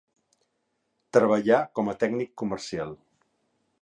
Treballà com a tècnic comercial.